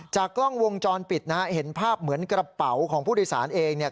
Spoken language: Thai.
กล้องวงจรปิดนะฮะเห็นภาพเหมือนกระเป๋าของผู้โดยสารเองเนี่ย